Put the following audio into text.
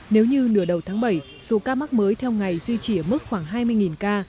nếu như nửa đầu tháng bảy số ca mắc mới theo ngày duy trì ở mức khoảng hai mươi ca